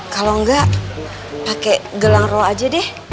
kalau nggak pake gelang roh aja deh